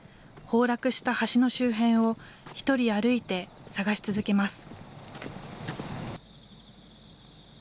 崩落した橋の周辺を、１人歩いて捜し続けます。